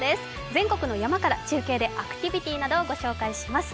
全国の山から中継でアクティビティーなどをご紹介します。